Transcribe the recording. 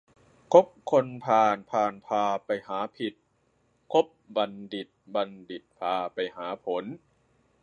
คบคนพาลพาลพาไปหาผิด คบบัณฑิตบัณฑิตพาไปหาผล